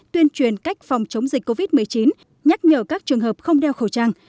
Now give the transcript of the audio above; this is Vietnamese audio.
tuyên truyền cách phòng chống dịch covid một mươi chín nhắc nhở các trường hợp không đeo khẩu trang